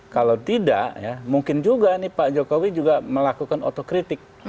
kalau tidak mungkin juga pak jokowi melakukan otokritik